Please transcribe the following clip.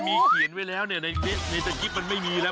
มีเขียนไว้แล้วในสกิปมันไม่มีแล้ว